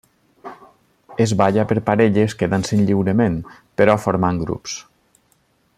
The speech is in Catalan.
Es balla per parelles que dansen lliurement, però formant grups.